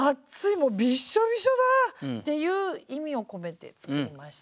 びしょびしょだ！っていう意味を込めて作りました。